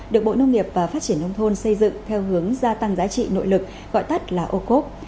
được bộ nông nghiệp và phát triển nông thôn xây dựng theo hướng gia tăng giá trị nội lực gọi tắt là ô cốp